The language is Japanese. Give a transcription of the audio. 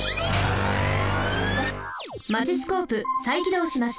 マチスコープさいきどうしました。